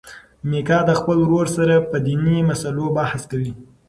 میکا د خپل ورور سره په دیني مسلو بحث کوي.